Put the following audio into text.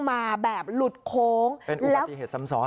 มาแบบหลุดโค้งเป็นอุบัติเหตุซ้ำซ้อน